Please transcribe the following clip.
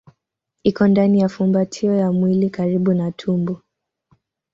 Iko ndani ya fumbatio ya mwili karibu na tumbo.